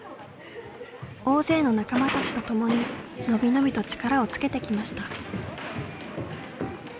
大勢の仲間たちと共に伸び伸びと力をつけてきました。